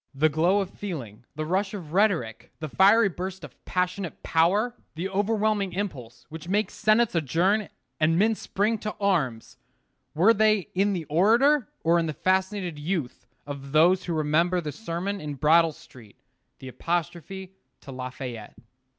The glow of feeling, the rush of rhetoric, the fiery burst of passionate power the overwhelming impulse which makes senates adjourn and men spring to arms were they in the orator or in the fascinated youth of those who remember the sermon in Brattle Street, the apostrophe to Lafayette?